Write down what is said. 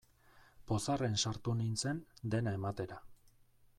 Pozarren sartu nintzen, dena ematera.